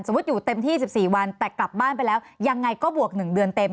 อยู่เต็มที่๑๔วันแต่กลับบ้านไปแล้วยังไงก็บวก๑เดือนเต็ม